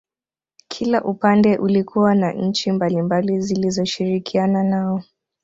Kila upande ulikuwa na nchi mbalimbali zilizoshirikiana nao